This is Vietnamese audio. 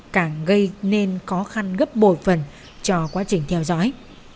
càng gây nên khó khăn gấp bội phần cho quá trình theo dõi